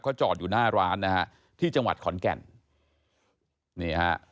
เขาจอดอยู่หน้าร้านนะฮะที่จังหวัดขอนแก่นนี่ฮะ